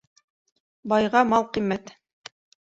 Байға мал ҡиммәт